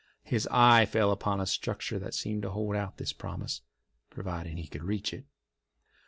His eye fell upon a structure that seemed to hold out this promise, providing he could reach it.